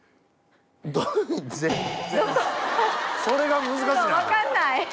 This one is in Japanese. それが難しない？